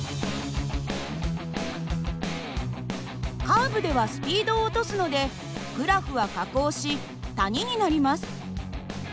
カーブではスピードを落とすのでグラフは下降し谷になります。